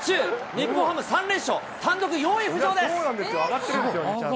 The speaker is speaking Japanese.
日本ハム３連勝、単独４位浮上です。